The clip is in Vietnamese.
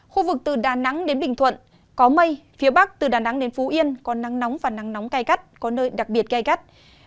khu vực từ đà nẵng đến bình thuận có mây phía bắc từ đà nẵng đến phú yên có nắng nóng và nắng nóng gai gắt có nơi đặc biệt gai gắt